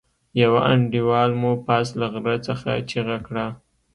يوه انډيوال مو پاس له غره څخه چيغه کړه.